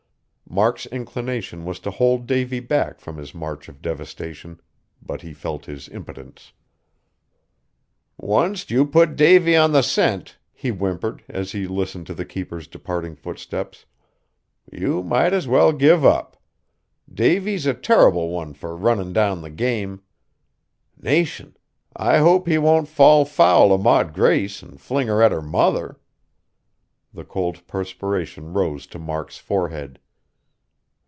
Mark's inclination was to hold Davy back from his march of devastation, but he felt his impotence. "Onct you put Davy on the scent," he whimpered, as he listened to the keeper's departing footsteps, "you might as well give up. Davy's a turrible one fur runnin' down the game. Nation! I hope he won't fall foul o' Maud Grace an' fling her at her mother!" The cold perspiration rose to Mark's forehead.